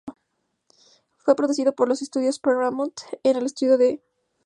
Fue producido por "Les Studios Paramount", en los estudios de Joinville-le-Pont, Val-de-Marne de Francia.